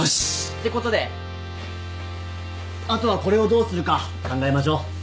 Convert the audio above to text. てことであとはこれをどうするか考えましょう。